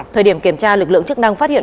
thời điểm kiểm tra lực lượng chức năng phát hiện